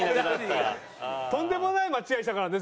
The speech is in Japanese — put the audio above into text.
とんでもない間違いしたからね